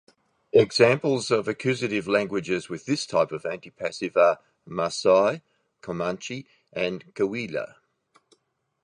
Examples of accusative languages with this type of antipassive are Maasai, Comanche and Cahuilla.